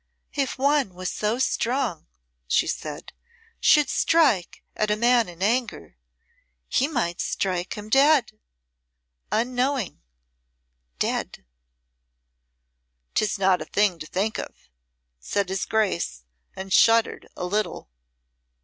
"If one who was so strong," she said, "should strike at a man in anger, he might strike him dead unknowing dead!" "'Tis not a thing to think of," said his Grace, and shuddered a little.